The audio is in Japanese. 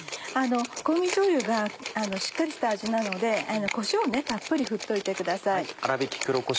香味じょうゆがしっかりした味なのでこしょうをたっぷり振っといてください。